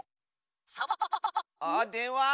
あっでんわ！